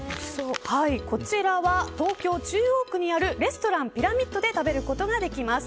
こちらは東京・中央区にあるレストランピラミッドで食べることができます。